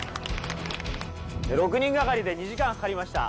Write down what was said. ６人がかりで２時間かかりました。